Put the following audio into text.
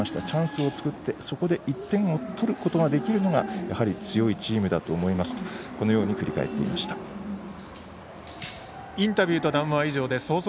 チャンスを作って、そこで１点を取ることができるのがやはり強いチームだと思いますとインタビューと談話は以上です。